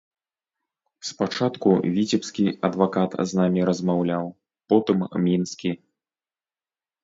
Спачатку віцебскі адвакат з намі размаўляў, потым мінскі.